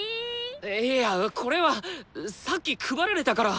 いやこれはさっき配られたから。